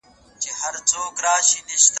سیاست به په ټولنه کي یوه هڅه وي.